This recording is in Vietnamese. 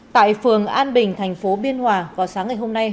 tại phường an bình thành phố biên hòa vào sáng ngày hôm nay